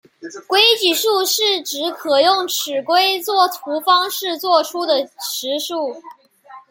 规矩数是指可用尺规作图方式作出的实数。